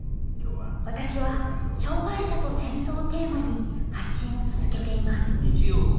私は「障害者と戦争」をテーマに発信を続けています。